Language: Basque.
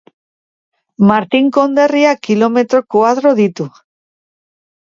Martin konderriak kilometro koadro ditu.